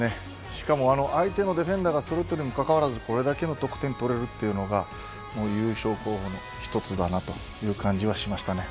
しかも相手のディフェンダーがそろっているにもかかわらずこれだけの得点が取れるのは優勝候補の一つだなという感じはしましたね。